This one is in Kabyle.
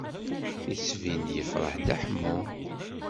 Yettbin-d yefṛeḥ Dda Ḥemmu.